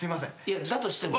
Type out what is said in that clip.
だとしても。